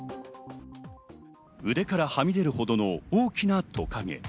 腕からはみ出るほどの大きなトカゲ。